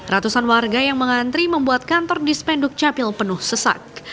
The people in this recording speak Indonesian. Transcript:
ratusan warga yang mengantri membuat kantor dispenduk capil penuh sesak